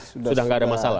sudah nggak ada masalah